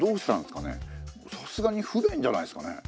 さすがに不便じゃないですかね？